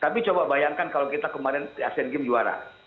tapi coba bayangkan kalau kita kemarin asean games juara